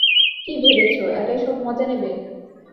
কি ভেবেছো একাই সব মজা নেবে?